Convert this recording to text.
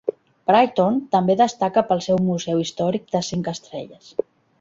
Brighton també destaca pel seu museu històric de cinc estrelles.